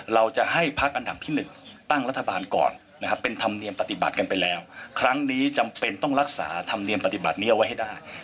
เราจะให้พักอันดับที่๑ตั้งรัฐบาลก่อนนะครับเป็นธรรมเนียมปฏิบัติกันไปแล้วครั้งนี้จำเป็นต้องรักษาธรรมเนียมปฏิบัตินี้เอาไว้ให้ได้